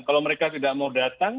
kalau mereka tidak mau datang